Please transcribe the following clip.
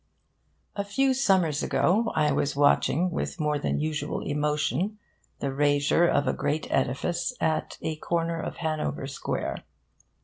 A few summers ago, I was watching, with more than usual emotion, the rasure of a great edifice at a corner of Hanover Square.